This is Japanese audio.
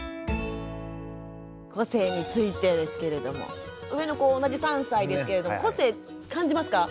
個性についてですけれども上の子同じ３歳ですけれども個性感じますか？